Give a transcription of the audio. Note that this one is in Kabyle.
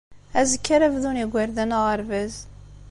Azekka ara bdun yigerdan aɣerbaz.